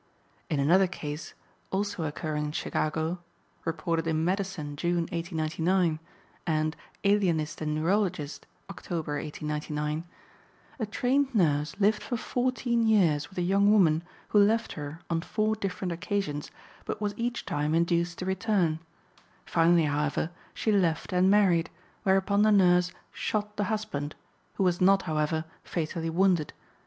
In another case, also occurring in Chicago (reported in Medicine, June, 1899, and Alienist and Neurologist, October, 1899), a trained nurse lived for fourteen years with a young woman who left her on four different occasions, but was each time induced to return; finally, however, she left and married, whereupon the nurse shot the husband, who was not, however, fatally wounded.